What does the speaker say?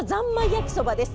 焼きそばです。